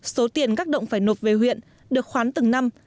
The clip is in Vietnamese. số tiền các động phải nộp về huyện được khoán từng năm